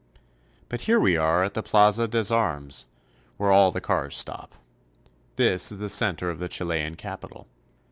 But here we are at the Plaza des Armes, where all the cars stop. This is the center of the Chilean capital.